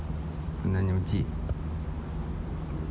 そんなにおいちい？